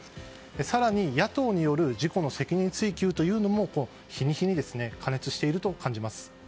更に野党による事故の責任追及も日に日に過熱していると感じます。